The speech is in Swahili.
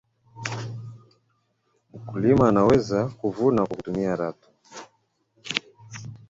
mkulima anaweza kuvuna kwa kutumia rato